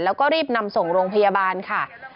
แล้วก็รีบนำส่งโรงพยาบาลค่ะ